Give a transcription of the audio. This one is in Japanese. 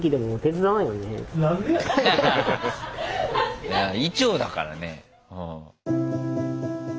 いや医長だからね。